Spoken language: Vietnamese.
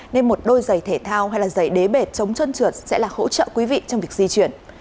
nên một đôi giày thể thao hay là giày đế bệt chống trân trượt sẽ là hỗ trợ quý vị trong việc di chuyển